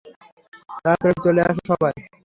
তাড়াতাড়ি চলে আসো সবাই!